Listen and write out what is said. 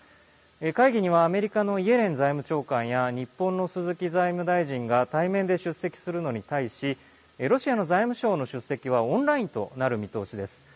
会議にはアメリカのイエレン財務長官や日本の鈴木財務大臣が対面で出席するのに対しロシアの財務相の出席はオンラインとなる見通しです。